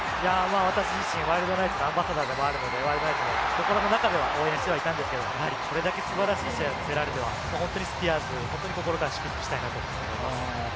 私自身、ワールドナイツのアンバサダーでもあるので、心の中で応援していたんですけれど、これだけ素晴らしい試合を見せられれば、スピアーズに心から祝福したいと思います。